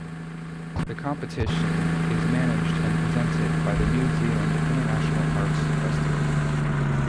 The competition is managed and presented by the New Zealand International Arts Festival.